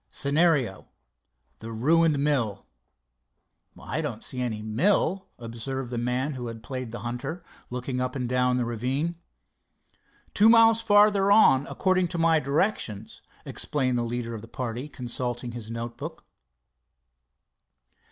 "Scenario: 'The Ruined Mill'." "I don't see any mill," observed the man who had played the hunter, looking up and down the ravine. "Two miles farther on, according to my directions," explained the leader of the party, consulting his note book.